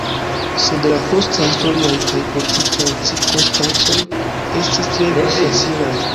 Sed la postaj historiaj kaj politikaj cirkonstancoj estis tre malfacilaj.